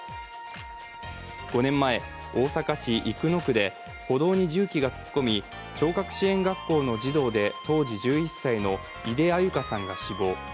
５年前、大阪市生野区で歩道に重機が突っ込み、聴覚支援学校の児童で当時１１歳の井出安優香さんが死亡。